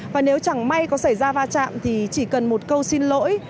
và nếu chẳng may có xảy ra va chạm thì chỉ cần một câu xin lỗi